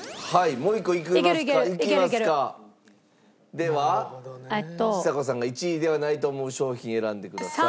ではちさ子さんが１位ではないと思う商品選んでください。